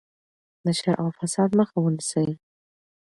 د شر او فساد مخه ونیسئ.